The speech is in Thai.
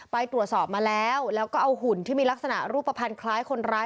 ไปตรวจสอบมาแล้วแล้วก็เอาหุ่นที่มีลักษณะรูปภัณฑ์คล้ายคนร้าย